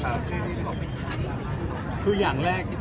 ค่ะคืออย่างแรก